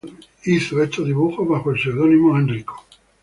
Hizo estos dibujos bajo el pseudónimo ’'Enrico".